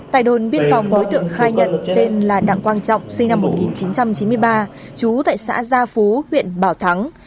tại đồn biên phòng đối tượng khai nhận tên là đặng quang trọng sinh năm một nghìn chín trăm chín mươi ba trú tại xã gia phú huyện bảo thắng